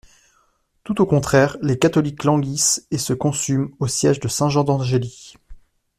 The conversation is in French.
Tout au contraire, les catholiques languissent et se consument au siége de Saint-Jean-d'Angély.